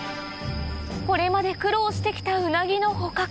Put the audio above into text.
これまで苦労してきたウナギの捕獲